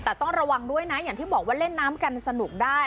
แต่ต้องระวังด้วยนะอย่างที่บอกว่าเล่นน้ำกันสนุกได้